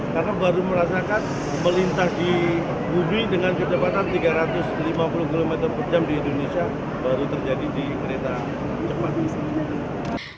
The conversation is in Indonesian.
karena baru merasakan melintas di bumi dengan kecepatan tiga ratus lima puluh km per jam di indonesia baru terjadi di kereta cepat